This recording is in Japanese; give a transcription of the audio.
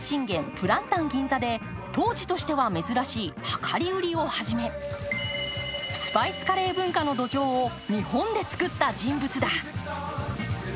プランタン銀座で当時としては珍しい量り売りを始めスパイスカレー文化の土壌を日本で作った人物だ。